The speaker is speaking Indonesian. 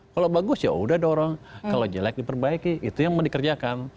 kalau bagus ya udah dorong kalau jelek diperbaiki itu yang mau dikerjakan